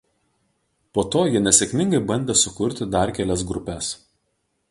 Po to jie nesėkmingai bandė sukurti dar kelias grupes.